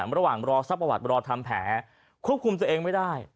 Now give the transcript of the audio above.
ระหว่างรอทรัพย์ประวัติรอทำแผลควบคุมตัวเองไม่ได้